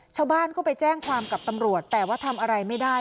ชาวบ้านก็ไปแจ้งความกับตำรวจแต่ว่าทำอะไรไม่ได้